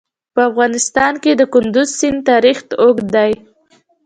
په افغانستان کې د کندز سیند تاریخ اوږد دی.